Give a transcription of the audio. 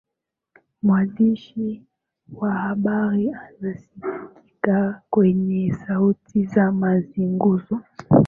mwandishi wa habari anasikika kwenye sauti za mazungumzo